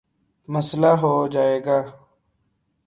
مسلہ ہو جائے گا